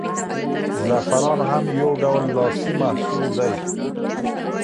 زعفران هم یو ډول لاسي محصول دی.